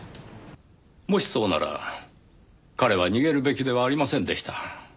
もしそうなら彼は逃げるべきではありませんでした。